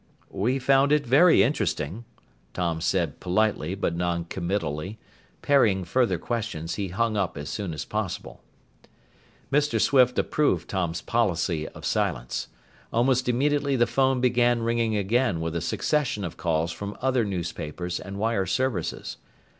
"We found it very interesting," Tom said politely but noncommittally. Parrying further questions, he hung up as soon as possible. Mr. Swift approved Tom's policy of silence. Almost immediately the phone began ringing again with a succession of calls from other newspapers and wire services.